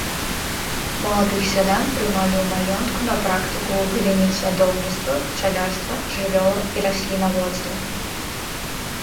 Маладых сялян прымалі ў маёнтку на практыку ў галіне садоўніцтва, пчалярства, жывёла- і раслінаводства.